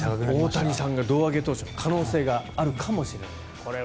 大谷さんが胴上げ投手の可能性があるかもしれない。